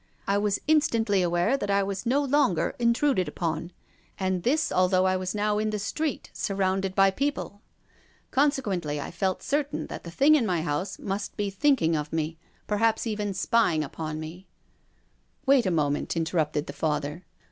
I was instantly aware that I was no longer intruded upon, and this although I was now in the street, surrounded by people. Consequently, I felt certain that the thing in my house must be thinking of me, per haps even spying upon me." PROFESSOR GUILDEA. 29I " Wait a moment," interrupted the Father.